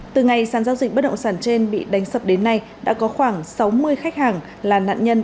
từ ngày sản giao dịch bất động sản trên bị đánh sập đến nay đã có khoảng sáu mươi khách hàng là nạn nhân